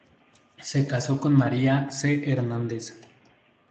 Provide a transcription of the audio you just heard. Se casó con María C. Hernández.